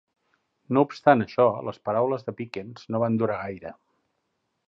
No obstant això, les paraules de Pickens no van durar gaire.